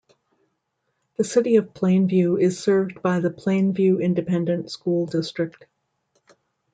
The City of Plainview is served by the Plainview Independent School District.